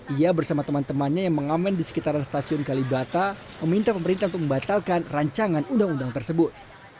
ia bersama teman temannya yang mengamen di sekitaran stasiun kalibata meminta pemerintah untuk membatalkan rancangan undang undang tersebut